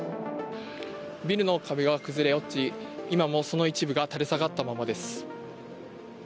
ビルの壁が崩れ落ち、今もその一部が垂れ下がったままです。